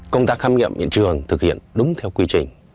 công tác khám nghiệm hiện trường thực hiện đúng theo quy trình